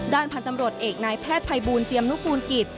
พันธุ์ตำรวจเอกนายแพทย์ภัยบูลเจียมนุกูลกิจ